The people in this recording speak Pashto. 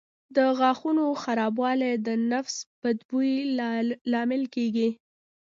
د غاښونو خرابوالی د نفس بد بوی لامل کېږي.